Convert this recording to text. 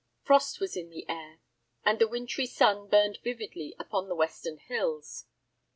Frost was in the air, and the winter sun burned vividly upon the western hills.